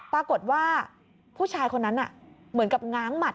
ปรากฏว่าผู้ชายคนนั้นเหมือนกับง้างหมัด